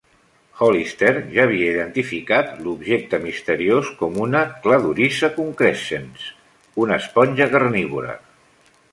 Hollister ja havia identificat l'objecte misteriós com una "Cladorhiza concrescens", una esponja carnívora.